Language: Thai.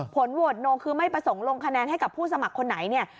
ผลโหวตโนคือไม่ประสงค์ลงคะแนนให้กับผู้สมัครคนไหนเนี่ย